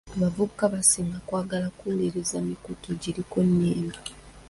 Abavubuka basinga kwagala kuwuliriza mikutu giriko nnyimba.